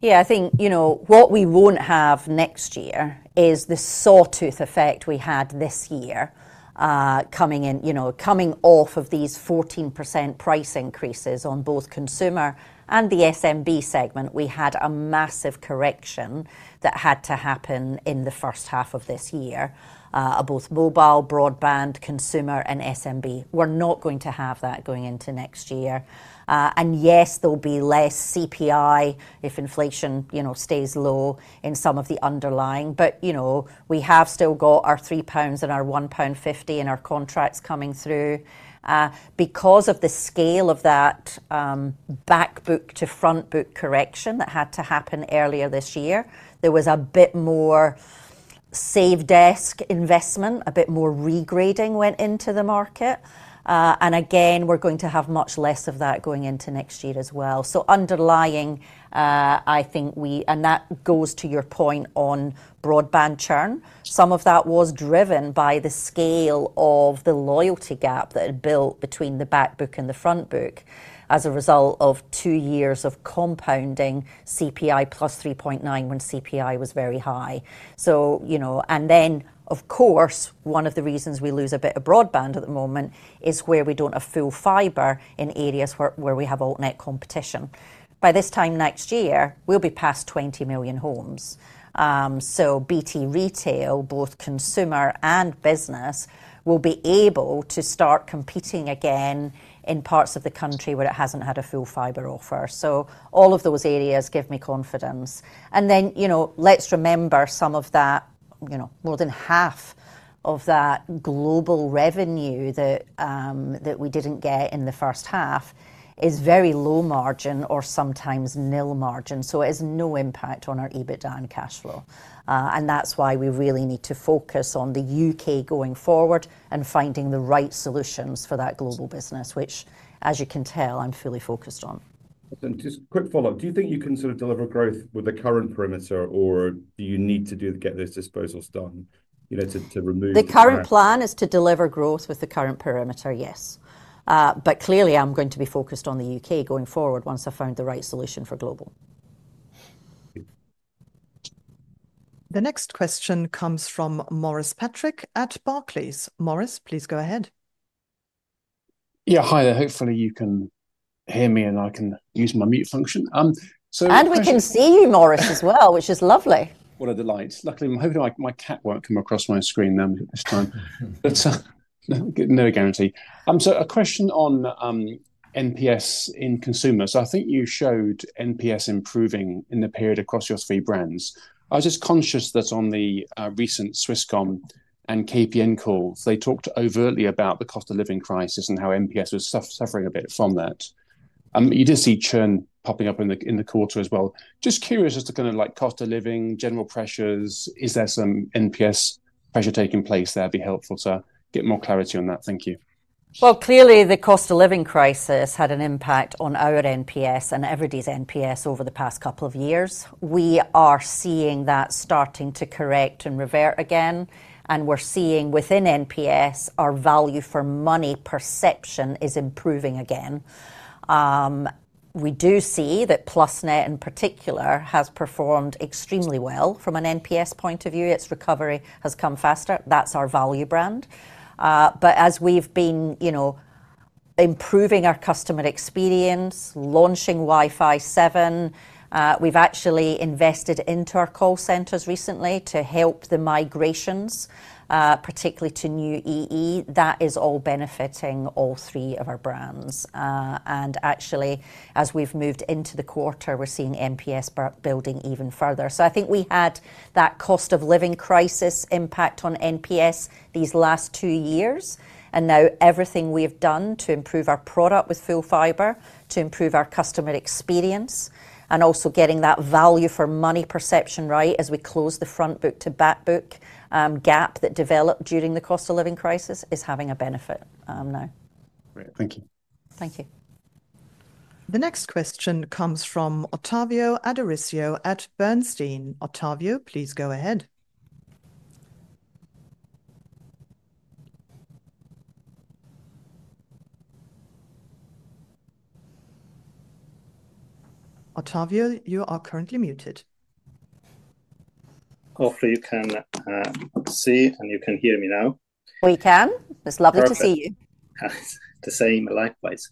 Speaker 2: Yeah. I think what we won't have next year is the sawtooth effect we had this year coming off of these 14% price increases on both consumer and the SMB segment. We had a massive correction that had to happen in the first half of this year of both mobile, broadband, consumer, and SMB. We're not going to have that going into next year. Yes, there'll be less CPI if inflation stays low in some of the underlying. We have still got our 3 pounds and our 1.50 pound in our contracts coming through. Because of the scale of that backbook to frontbook correction that had to happen earlier this year, there was a bit more save-desk investment, a bit more regrading went into the market. Again, we're going to have much less of that going into next year as well. Underlying, I think, and that goes to your point on broadband churn, some of that was driven by the scale of the loyalty gap that had built between the backbook and the frontbook as a result of two years of compounding CPI +3.9 when CPI was very high. Then, of course, one of the reasons we lose a bit of broadband at the moment is where we don't have full fiber in areas where we have alternative competition. By this time next year, we'll be past 20 million homes. BT Retail, both consumer and business, will be able to start competing again in parts of the country where it hasn't had a full fiber offer. All of those areas give me confidence. Let's remember some of that, more than half of that global revenue that we didn't get in the first half is very low margin or sometimes nil margin. It has no impact on our EBITDA and cash flow. That's why we really need to focus on the U.K. going forward and finding the right solutions for that global business, which, as you can tell, I'm fully focused on.
Speaker 12: Just quick follow-up. Do you think you can sort of deliver growth with the current perimeter, or do you need to get those disposals done to remove?
Speaker 2: The current plan is to deliver growth with the current perimeter, yes. Clearly, I'm going to be focused on the U.K. going forward once I've found the right solution for global.
Speaker 1: The next question comes from Maurice Patrick at Barclays. Maurice, please go ahead.
Speaker 13: Yeah. Hi, there. Hopefully, you can hear me and I can use my mute function,
Speaker 2: and we can see you, Maurice, as well, which is lovely.
Speaker 13: What a delight. Luckily, I'm hoping my cat won't come across my screen this time, but no guarantee. A question on NPS in consumers. I think you showed NPS improving in the period across your three brands. I was just conscious that on the recent Swisscom and KPN calls, they talked overtly about the cost of living crisis and how NPS was suffering a bit from that. You did see churn popping up in the quarter as well. Just curious as to kind of like cost of living, general pressures, is there some NPS pressure taking place there? It'd be helpful to get more clarity on that. Thank you.
Speaker 2: Well, clearly, the cost of living crisis had an impact on our NPS and everybody's NPS over the past couple of years. We are seeing that starting to correct and revert again. And we're seeing within NPS, our value for money perception is improving again. We do see that Plusnet, in particular, has performed extremely well from an NPS point of view. Its recovery has come faster. That's our value brand. But as we've been improving our customer experience, launching Wi-Fi 7, we've actually invested into our call centers recently to help the migrations, particularly to New EE. That is all benefiting all three of our brands. And actually, as we've moved into the quarter, we're seeing NPS building even further. So I think we had that cost of living crisis impact on NPS these last two years. Now everything we've done to improve our product with full fiber, to improve our customer experience, and also getting that value for money perception right as we close the frontbook to backbook gap that developed during the cost of living crisis is having a benefit now.
Speaker 13: Great. Thank you.
Speaker 2: Thank you.
Speaker 1: The next question comes from Ottavio Adorisio at Bernstein. Ottavio, please go ahead. Ottavio, you are currently muted.
Speaker 14: Hopefully, you can see and you can hear me now.
Speaker 2: We can. It's lovely to see you.
Speaker 14: The same, likewise.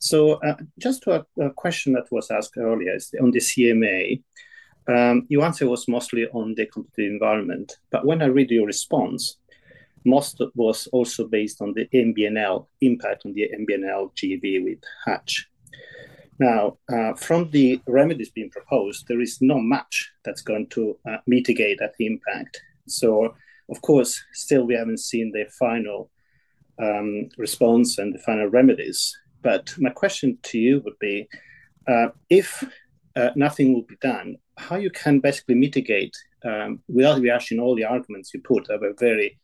Speaker 14: So just to a question that was asked earlier on the CMA, your answer was mostly on the competitive environment. But when I read your response, most was also based on the MBNL impact on the MBNL JV with Hutch. Now, from the remedies being proposed, there is no match that's going to mitigate that impact. So, of course, still, we haven't seen the final response and the final remedies. But my question to you would be, if nothing will be done, how you can basically mitigate without rehashing all the arguments you put that were very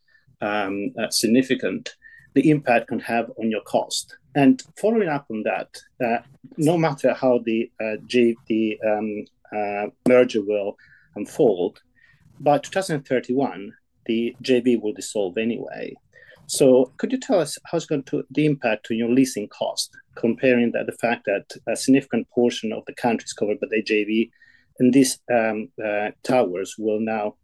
Speaker 14: significant, the impact can have on your cost. And following up on that, no matter how the merger will unfold, by 2031, the JV will dissolve anyway. So could you tell us how it's going to impact on your leasing cost, comparing the fact that a significant portion of the countryside covered by the JV and these towers will now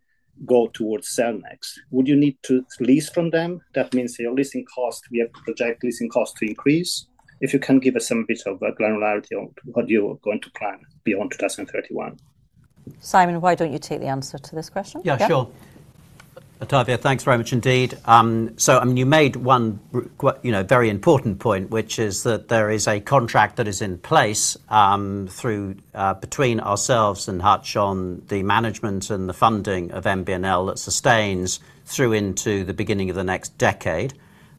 Speaker 14: go towards Cellnex? Would you need to lease from them? That means your leasing cost, we have to project leasing cost to increase? If you can give us some bits of granularity on what you are going to plan beyond 2031.
Speaker 2: Simon, why don't you take the answer to this question?
Speaker 3: Yeah, sure. Ottavio, thanks very much indeed. So you made one very important point, which is that there is a contract that is in place between ourselves and Hutch on the management and the funding of MBNL that sustains through into the beginning of the next decade.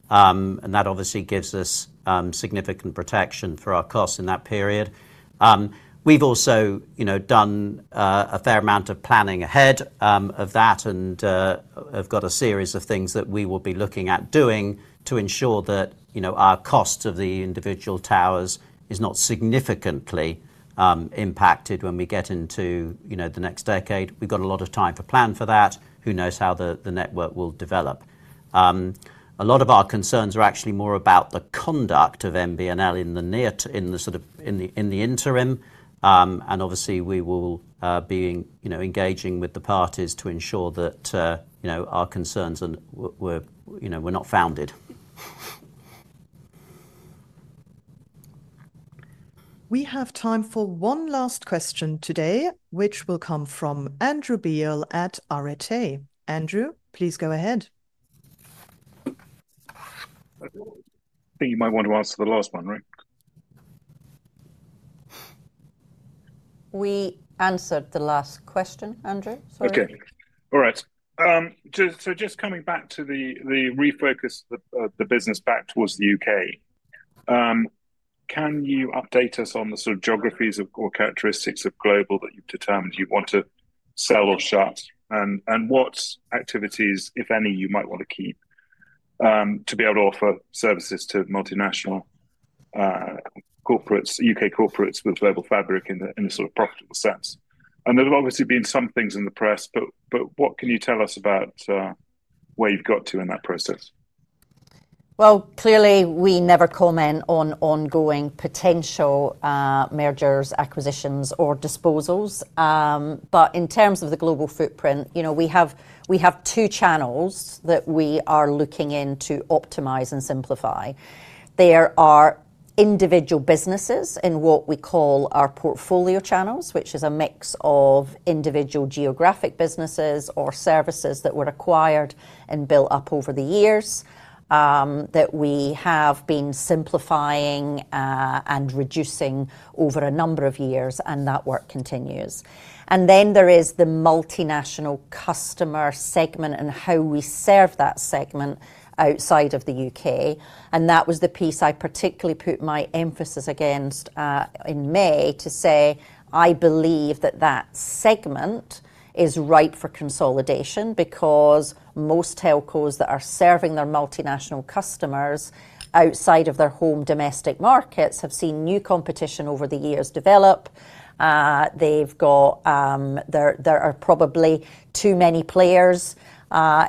Speaker 3: And that obviously gives us significant protection for our costs in that period. We've also done a fair amount of planning ahead of that and have got a series of things that we will be looking at doing to ensure that our cost of the individual towers is not significantly impacted when we get into the next decade. We've got a lot of time to plan for that. Who knows how the network will develop? A lot of our concerns are actually more about the conduct of MBNL in the sort of, in the interim, and obviously, we will be engaging with the parties to ensure that our concerns were not founded.
Speaker 1: We have time for one last question today, which will come from Andrew Beale at Arete. Andrew, please go ahead.
Speaker 15: I think you might want to answer the last one, right?
Speaker 2: We answered the last question, Andrew.
Speaker 15: Sorry. Okay. All right. Just coming back to the refocus of the business back towards the U.K., can you update us on the sort of geographies or characteristics of global that you've determined you want to sell or shut and what activities, if any, you might want to keep to be able to offer services to multinational corporates, U.K. corporates with global footprint in a sort of profitable sense? There have obviously been some things in the press, but what can you tell us about where you've got to in that process?
Speaker 2: Clearly, we never comment on ongoing potential mergers, acquisitions, or disposals. In terms of the global footprint, we have two channels that we are looking into optimizing and simplifying. There are individual businesses in what we call our portfolio channels, which is a mix of individual geographic businesses or services that were acquired and built up over the years that we have been simplifying and reducing over a number of years, and that work continues. There is the multinational customer segment and how we serve that segment outside of the U.K.. That was the piece I particularly put my emphasis against in May to say, I believe that that segment is ripe for consolidation because most telcos that are serving their multinational customers outside of their home domestic markets have seen new competition over the years develop. There are probably too many players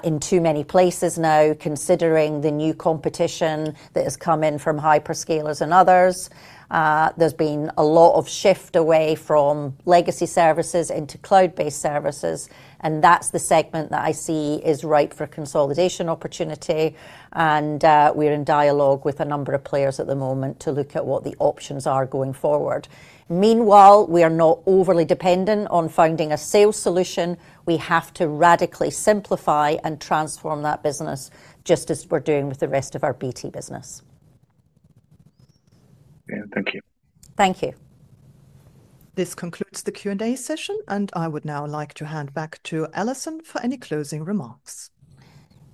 Speaker 2: in too many places now, considering the new competition that has come in from hyperscalers and others. There's been a lot of shift away from legacy services into cloud-based services. And that's the segment that I see is ripe for consolidation opportunity. And we're in dialogue with a number of players at the moment to look at what the options are going forward. Meanwhile, we are not overly dependent on finding a sales solution. We have to radically simplify and transform that business just as we're doing with the rest of our BT Business.
Speaker 15: Thank you.
Speaker 2: Thank you.
Speaker 1: This concludes the Q&A session, and I would now like to hand back to Allison for any closing remarks.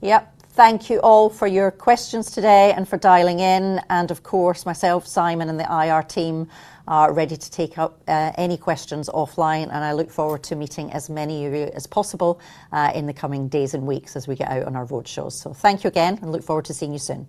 Speaker 2: Yep. Thank you all for your questions today and for dialing in. And of course, myself, Simon, and the IR team are ready to take up any questions offline. And I look forward to meeting as many of you as possible in the coming days and weeks as we get out on our roadshows. So thank you again, and look forward to seeing you soon.